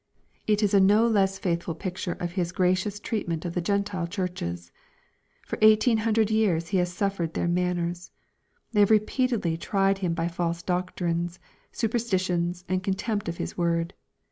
— It is a no less faithful picture of His gracious treatment of the Gentile churches. For eighteen hundred years He has BuflFered their manners. They have repeatedly tried Him by false doctrines, superstitions, and contempt of His word.